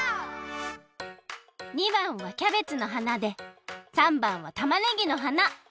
②ばんはキャベツの花で③ばんはたまねぎの花。